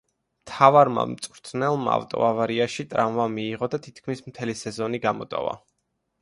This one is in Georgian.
მთავარმა მწვრთნელმა ავტოავარიაში ტრავმა მიიღო და თითქმის მთელი სეზონი გამოტოვა.